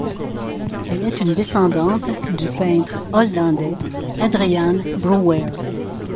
Elle est une descendante du peintre hollandais Adriaen Brouwer.